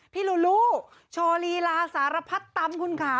พี่ลูลูชอบรีลาสารพักตำคุณค่ะ